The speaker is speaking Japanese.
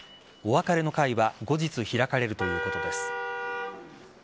お別れの会は後日開かれるということです。